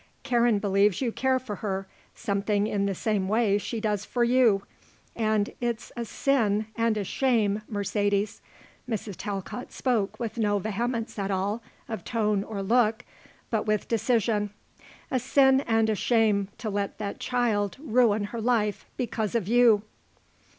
Karen believes you care for her something in the same way she does for you, and it's a sin and a shame, Mercedes," Mrs. Talcott spoke with no vehemence at all of tone or look, but with decision, "a sin and a shame to let that child ruin her life because of you."